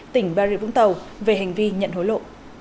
tỉnh bà rịa vũng tàu về hành vi nhận hối lộ